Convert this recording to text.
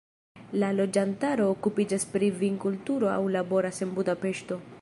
La loĝantaro okupiĝas pri vinkulturo aŭ laboras en Budapeŝto.